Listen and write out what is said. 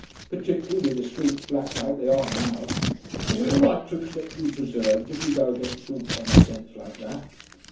'Particularly with the streets black like they are now. Have we a right to expect to be preserved if we go against all common sense like that?'